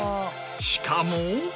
しかも。